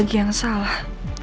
aku lagi yang salah